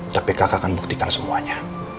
tapi kakak akan buktikan semuanya